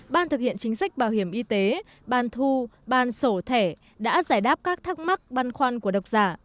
ban thực hiện chính sách bảo hiểm y tế ban thu ban sổ thẻ đã giải đáp các thắc mắc băn khoăn của độc giả